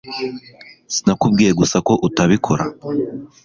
Sinakubwiye gusa ko utabikora